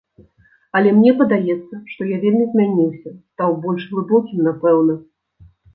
Але мне падаецца, што я вельмі змяніўся, стаў больш глыбокім, напэўна.